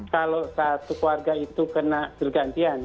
kalau satu keluarga itu kena bergantian